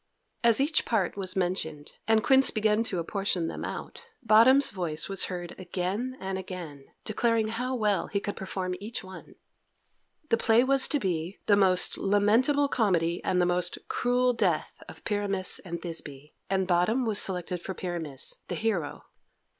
As each part was mentioned, and Quince began to apportion them out, Bottom's voice was heard again and again, declaring how well he could perform each one. The play was to be "The Most Lamentable Comedy and Most Cruel Death of Pyramus and Thisby," and Bottom was selected for Pyramus, the hero.